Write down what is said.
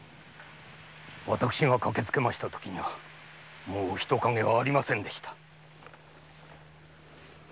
私が駆けつけたときには人影はありませんでした。